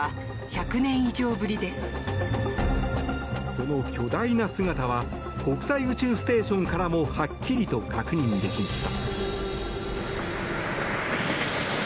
その巨大な姿は国際宇宙ステーションからもはっきりと確認できました。